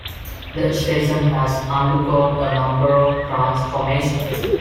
The station has undergone a number of transformations.